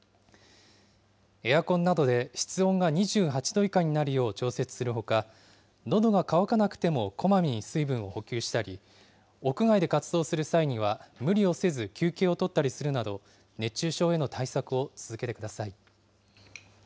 エアコンなどで室温が２８度以下になるよう調節するほか、のどが渇かなくてもこまめに水分を補給したり、屋外で活動する際には無理をせず休憩を取ったりするなど、熱中症への対策を続けてください。